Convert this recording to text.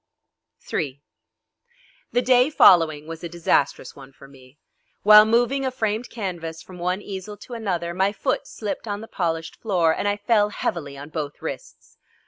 III The day following was a disastrous one for me. While moving a framed canvas from one easel to another my foot slipped on the polished floor, and I fell heavily on both wrists.